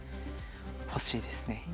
欲しいですね